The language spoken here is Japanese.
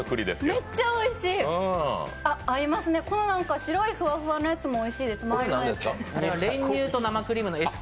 めっちゃおいしい、白いふわふわのものもおいしいです。